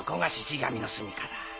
神のすみかだ。